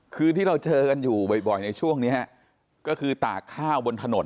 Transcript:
คือที่เราเจอกันอยู่บ่อยในช่วงนี้ก็คือตากข้าวบนถนน